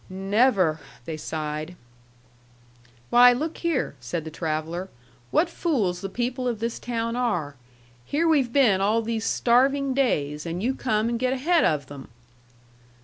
"Never!" they sighed. "Why, look here," said the traveller, "what fools the people of this town are! Here we've been all these starving days, and you come and get ahead of them!"